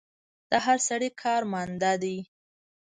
د هر سړي کار ماندۀ دی